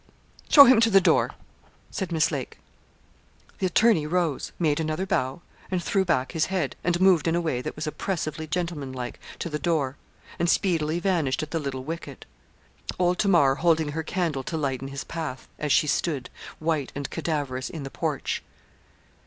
show him to the door,' said Miss Lake. The attorney rose, made another bow, and threw back his head, and moved in a way that was oppressively gentlemanlike to the door, and speedily vanished at the little wicket. Old Tamar holding her candle to lighten his path, as she stood, white and cadaverous, in the porch.